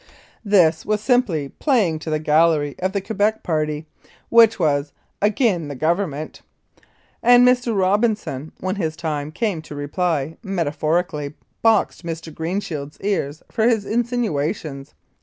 This was simply playing to the gallery of the Quebec party, which was u agin the Government," and Mr. Robinson, when his time came to reply, metaphorically boxed Mr. Greenshields' ears for his insinuations.